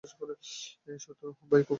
এসো তো ভাই খুকি এদিকে, নেড়েচেড়ে দেখি।